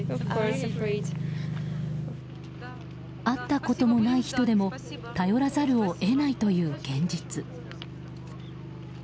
会ったこともない人でも頼らざるを得ないという現実。